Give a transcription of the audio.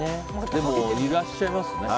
でも、いらっしゃいますね。